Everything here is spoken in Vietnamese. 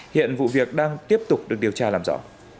hiện vụ việc đang tiếp tục được điều tra làm rõ